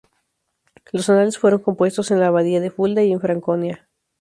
Los Anales fueron compuestos en la abadía de Fulda, en Franconia.